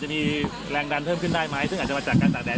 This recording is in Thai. จะน้อยกว่าครึ่งหนึ่งด้วยซ้ำมันก็คงไปดูว่าอย่างงี้แล้ว